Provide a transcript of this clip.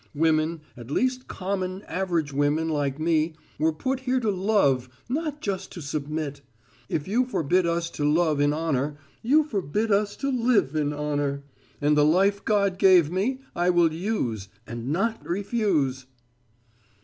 Women at least common, average women like me were put here to love, not just to submit. If you forbid us to love in honor, you forbid us to live in honor. And the life God gave me, I will use and not refuse."